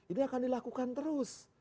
ini akan dilakukan terus